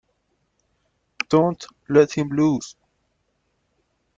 Don't let him loose!